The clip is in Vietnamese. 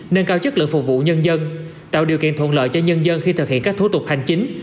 nâng cao chất lượng phục vụ nhân dân tạo điều kiện thuận lợi cho nhân dân khi thực hiện các thủ tục hành chính